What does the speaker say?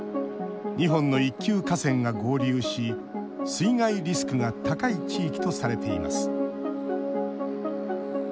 ２本の一級河川が合流し水害リスクが高い地域とされています。